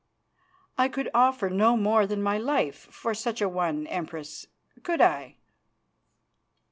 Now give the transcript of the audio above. "I could offer no more than my life for such a one, Empress, could I?"